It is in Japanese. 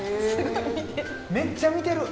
めっちゃ見てる。